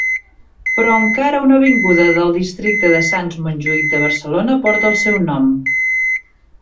Però encara una avinguda del districte de Sants-Montjuïc de Barcelona porta el seu nom.